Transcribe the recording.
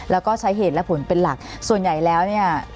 แล้วก็ใช้เหตุและผลเป็นหลักส่วนใหญ่แล้วเนี่ย